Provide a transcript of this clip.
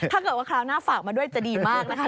ถ้าเกิดว่าคราวหน้าฝากมาด้วยจะดีมากนะคะ